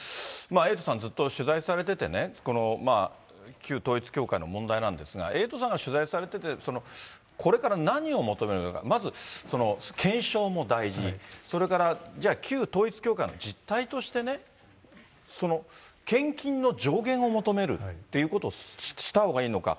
エイトさん、ずっと取材されててね、旧統一教会の問題なんですが、エイトさんが取材されてて、これから何を求めるのか、まず検証も大事、それから、じゃあ、旧統一教会の実態としてね、その献金の上限を求めるということをしたほうがいいのか。